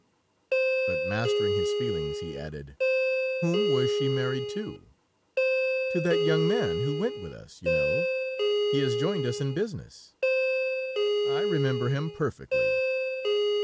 ... But mastering his feelings, he added: "Whom was she married to?" "To that young man who went with us, you know, he has joined us in business." "I remember him, perfectly."